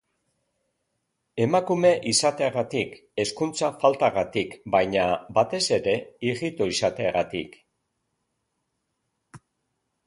Emakume izateagatik, hezkuntza faltagatik baina batez ere, ijito izateagatik.